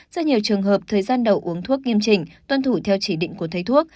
do nhiều trường hợp thời gian đầu uống thuốc nghiêm chỉnh tuân thủ theo chỉ định của thầy thuốc